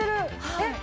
えっ？